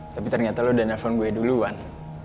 tapi ternyata lo udah nelfon gue duluan